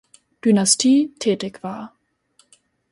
Dynastie tätig war.